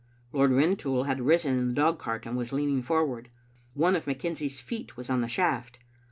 Lord Rintoul had risen in the dogcart and was leaning forward. One of McKenzie's feet was on the shaft.